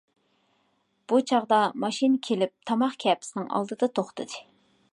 بۇ چاغدا ماشىنا كېلىپ تاماق كەپىسىنىڭ ئالدىدا توختىدى.